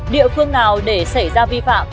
địa phương nào để xảy ra vi phạm